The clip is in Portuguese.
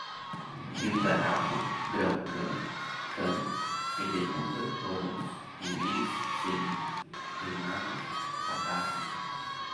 ilcanato, grão-cã, khan, Quedebuga, Orontes, emires, Selim, reinado, abássida